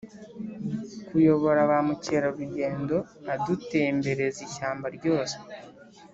kuyobora ba mukerarugendo adutembereza ishyamba ryose,